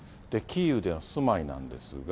キーウでは住まいなんですが。